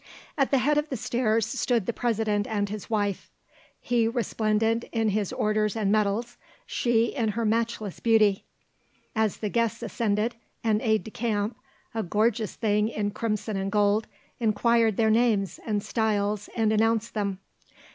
At the head of the stairs stood the President and his wife, he resplendent in his orders and medals, she in her matchless beauty. As the guests ascended, an aide de camp, a gorgeous thing in crimson and gold, inquired their names and styles and announced them.